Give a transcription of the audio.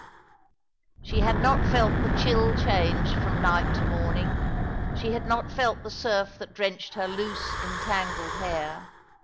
She had not felt the chill change from night to morning. She had not felt the surf that drenched her loose, entangled hair.